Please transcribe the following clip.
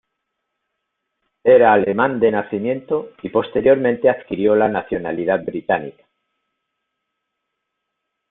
Era alemán de nacimiento y posteriormente adquirió la nacionalidad británica.